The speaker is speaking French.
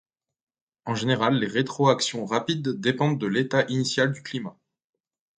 En général, les rétroactions rapides dépendent de l'état initial du climat.